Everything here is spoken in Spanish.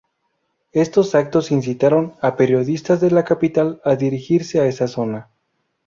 Estos actos incitaron a periodistas de la capital a dirigirse a esa zona.